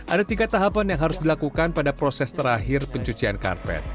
ada tiga tahapan yang harus dilakukan pada proses terakhir pencucian karpet